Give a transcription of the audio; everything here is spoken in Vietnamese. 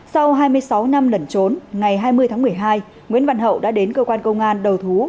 sau hai mươi sáu năm lẩn trốn ngày hai mươi tháng một mươi hai nguyễn văn hậu đã đến cơ quan công an đầu thú